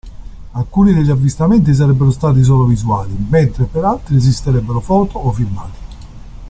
Alcuni degli avvistamenti sarebbero stati solo visuali, mentre per altri esisterebbero foto o filmati.